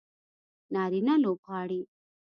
نارینه لوبغاړي